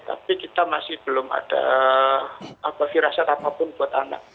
tapi kita masih belum ada apa apa rasa buat anak